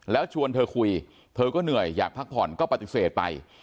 แล้วชวนเธอคุยเธอก็เหนื่อยอยากพักผ่อนก็ปฏิเสธไป